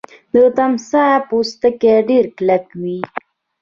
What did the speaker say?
د تمساح پوټکی ډیر کلک وي